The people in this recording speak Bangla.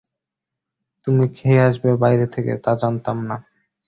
তুমি খেয়ে আসবে বাইরে থেকে, তা জানতাম না।